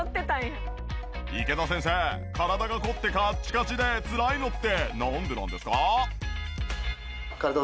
池田先生体が凝ってカッチカチでつらいのってなんでなんですか？